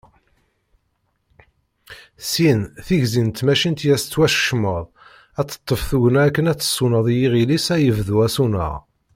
Syin, tigzi n tmacint i as-yettwaskecmen ad d-teṭṭef tugna akken ad tsuneḍ i yiɣil-is ad yebdu asuneɣ.